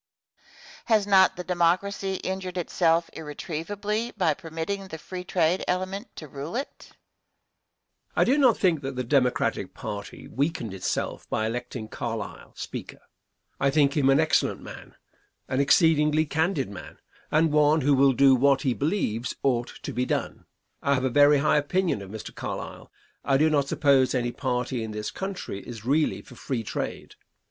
Has not the Democracy injured itself irretrievably by permitting the free trade element to rule it? Answer. I do not think that the Democratic party weakened itself by electing Carlisle, Speaker. I think him an excellent man, an exceedingly candid man, and one who will do what he believes ought to be done. I have a very high opinion of Mr. Carlisle. I do not suppose any party in this country is really for free trade.